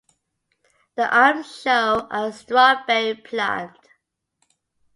The arms show a strawberry plant.